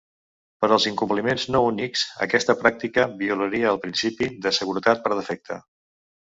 Per als incompliments no únics, aquesta pràctica violaria el principi de "seguretat per defecte".